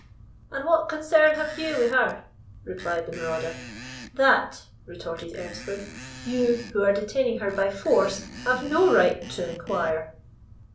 "And what concern have you with her?" replied the marauder. "That," retorted Earnscliff, "you, who are detaining her by force, have no right to enquire."